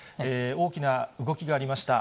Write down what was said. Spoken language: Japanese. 大きな動きがありました。